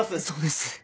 そうです。